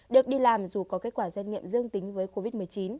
được đi làm dù có kết quả xét nghiệm dương tính với covid một mươi chín